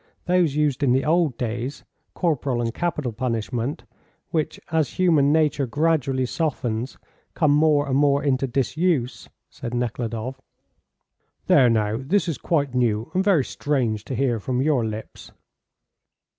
Those used in the old days: corporal and capital punishment, which, as human nature gradually softens, come more and more into disuse," said Nekhludoff. "There, now, this is quite new and very strange to hear from your lips."